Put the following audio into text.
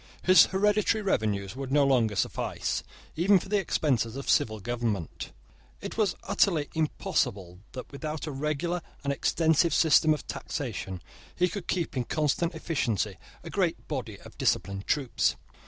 His hereditary revenues would no longer suffice, even for the expenses of civil government. It was utterly impossible that, without a regular and extensive system of taxation, he could keep in constant efficiency a great body of disciplined troops.